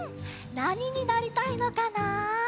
なにになりたいのかな？